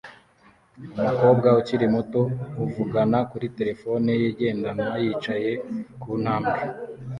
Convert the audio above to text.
Umukobwa ukiri muto uvugana kuri terefone ye igendanwa yicaye ku ntambwe